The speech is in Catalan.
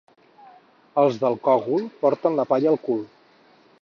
Els del Cogul porten la palla al cul.